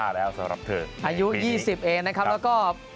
แล้วสำหรับเธออายุ๒๐เองนะครับแล้วก็